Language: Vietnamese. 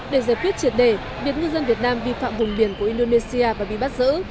để giải quyết triệt đề việc ngư dân việt nam vi phạm vùng biển của indonesia và bị bắt giữ